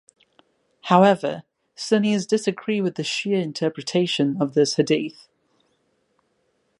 However, Sunnis disagree with the Shia interpretation of this Hadith.